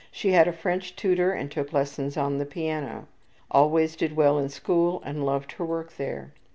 She had a French tutor and took lessons on the piano. Always did well in school and loved her work there.